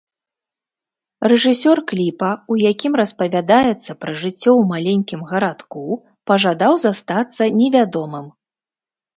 Рэжысёр кліпа, у якім распавядаецца пра жыццё ў маленькім гарадку, пажадаў застацца невядомым.